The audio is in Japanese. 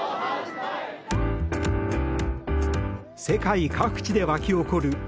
世界各地で湧き起こる